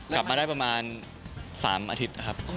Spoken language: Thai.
กลับมาได้ประมาณ๓อาทิตย์นะครับ